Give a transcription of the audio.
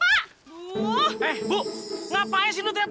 eh bu ngapain sih lu ternyata